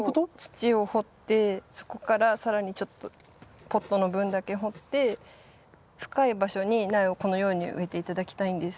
土を掘ってそこから更にちょっとポットの分だけ掘って深い場所に苗をこのように植えて頂きたいんです。